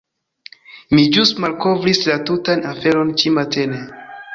Mi ĵus malkovris la tutan aferon ĉi-matene.